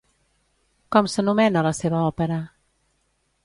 Com s'anomena la seva òpera?